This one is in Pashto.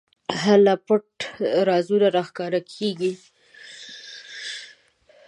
هلته پټ رازونه راښکاره کېږي.